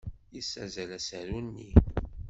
Yessazzel asaru-nni.